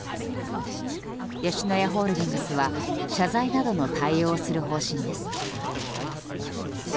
吉野家ホールディングスは謝罪などの対応をする方針です。